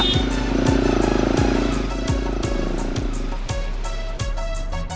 main dulu yuk